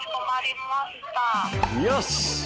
よし。